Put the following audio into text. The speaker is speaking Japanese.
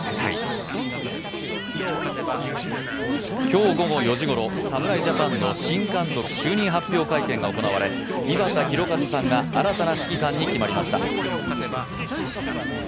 今日午後４時ごろ、侍ジャパンの新監督就任発表会見が行われ井端弘和さんが新たな指揮官に決まりました。